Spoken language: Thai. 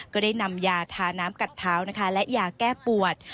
ก็ได้นำยาทาน้ำกัดเท้านะคะและยาแก้ปวด